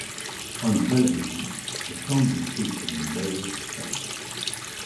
On television, the song was featured in various shows.